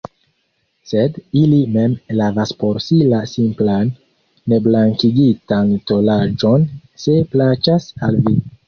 Sed ili mem lavas por si la simplan, neblankigitan tolaĵon, se plaĉas al vi.